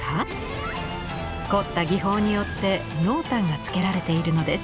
凝った技法によって濃淡がつけられているのです。